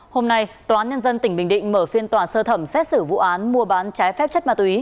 hôm nay tòa án nhân dân tỉnh bình định mở phiên tòa sơ thẩm xét xử vụ án mua bán trái phép chất ma túy